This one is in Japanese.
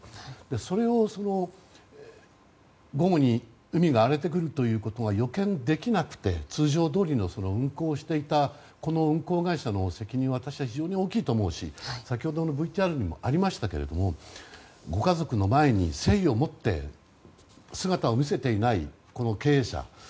それを午後に海が荒れてくるということを予見できなくて通常どおりの運航をしていたこの運航会社の責任は私は非常に大きいと思うし先ほどのＶＴＲにもありましたがご家族の前に誠意をもって姿を見せていないこの経営者。